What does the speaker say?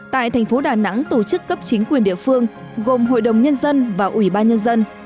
tại thành phố đà nẵng tổ chức cấp chính quyền địa phương gồm hội đồng nhân dân và ủy ban nhân dân